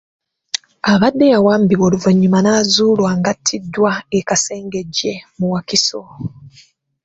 Abadde yawambibwa oluvannyuma n'azuulwa nga attiddwa e Kasengejje mu Wakiso.